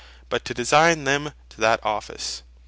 but to design them to that Office.